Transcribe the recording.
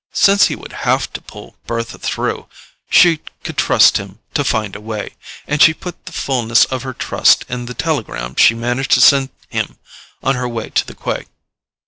Since he would HAVE to pull Bertha through she could trust him to find a way; and she put the fulness of her trust in the telegram she managed to send him on her way to the quay.